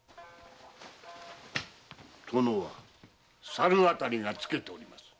猿渡がつけております。